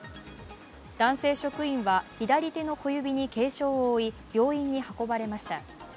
男性職員は左手の小指に軽傷を負い病院に運ばれました。